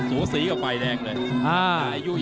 สูงสีก็ขวายแดงเลย